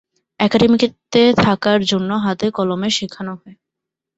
একাডেমিতে থাকার জন্য হাতে কলমে শেখানো হয়।